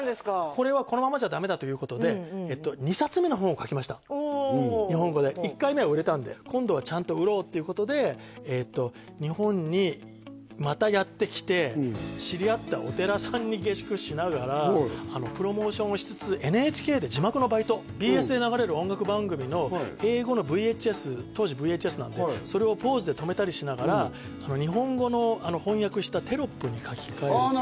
これはこのままじゃダメだということで２冊目の本を書きました日本語で１回目は売れたんで今度はちゃんと売ろうということでえっと日本にまたやって来て知り合ったお寺さんに下宿しながらプロモーションをしつつＢＳで流れる音楽番組の英語のＶＨＳ当時ＶＨＳなんでそれをポーズで止めたりしながら日本語の翻訳したテロップに書き換えあ